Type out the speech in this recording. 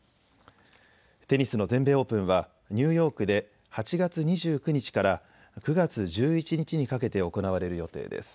テニスの全米オープンはニューヨークで８月２９日から９月１１日にかけて行われる予定です。